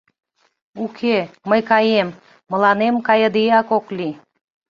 Уке, мый каем: мыланем кайыдеак ок лий!